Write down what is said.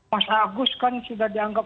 mas agus kan sudah dianggap